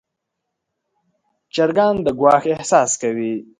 چرګان د ګواښ احساس کوي.